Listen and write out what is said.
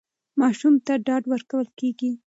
ماشوم ته ډاډ ورکول کېږي.